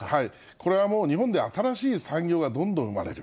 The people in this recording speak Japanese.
これはもう、日本では新しい産業がどんどん生まれる。